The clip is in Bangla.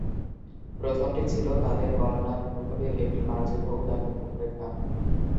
প্রথমটি ছিল তাদের গণনার প্রভাবের একটি মার্জিত ও ব্যাপক রূপরেখা।